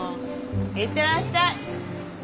いってらっしゃい。